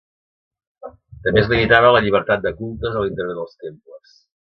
També es limitava la llibertat de cultes a l'interior dels temples.